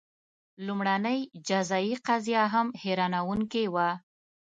لومړنۍ جزايي قضیه هم حیرانوونکې وه.